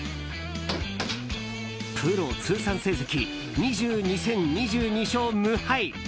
プロ通算成績２２戦２２勝無敗。